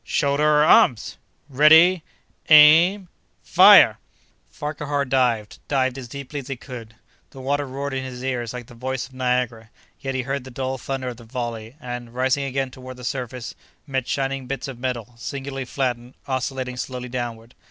… Shoulder arms!… Ready!… Aim!… Fire!" Farquhar dived—dived as deeply as he could. The water roared in his ears like the voice of Niagara, yet he heard the dull thunder of the volley and, rising again toward the surface, met shining bits of metal, singularly flattened, oscillating slowly downward.